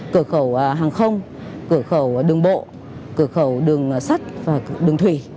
cửa khẩu hàng không cửa khẩu đường bộ cửa khẩu đường sắt và đường thủy